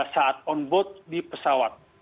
saat on board di pesawat